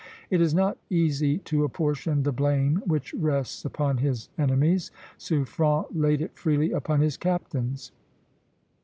It is not easy to apportion the blame which rests upon his enemies. Suffren laid it freely upon his captains.